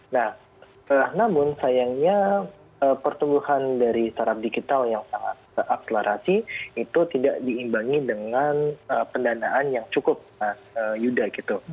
nah namun sayangnya pertumbuhan dari startup digital yang sangat akselerasi itu tidak diimbangi dengan pendanaan yang cukup mas yuda gitu